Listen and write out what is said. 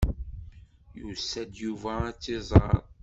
Yusa-d Yuba ad tt-iẓer.